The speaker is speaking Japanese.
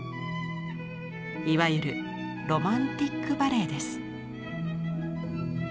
いわゆる「ロマンティック・バレエ」です。